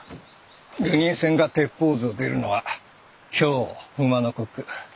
流人船が鉄砲洲を出るのは今日午の刻。